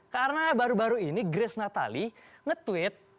karena baru baru ini grace natali nge tweet